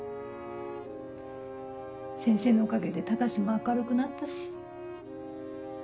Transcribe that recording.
先生のおかげで高志も明るくなったし。